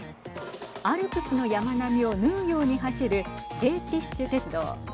アルプスの山並みを縫うように走るレーティッシュ鉄道。